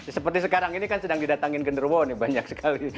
seperti sekarang ini kan sedang didatangin genderuwo nih banyak sekali